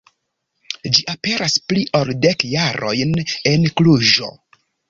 Ĝi aperas pli ol dek jarojn en Kluĵo.